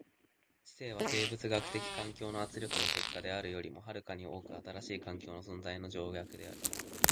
知性は生物学的環境の圧力の結果であるよりも遥かに多く新しい環境の存在の条件である。